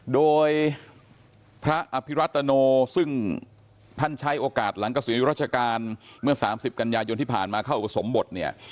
โดยพระอภิรัตโนซึ่งท่านใช้โอกาสหลังเกษียณยุราชการเมื่อ๓๐กันยายนที่ผ่านมาเข้าอุปสมบทเนี่ย